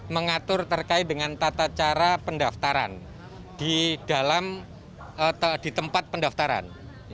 mengatur terkait dengan tata cara pendaftaran di tempat pendaftaran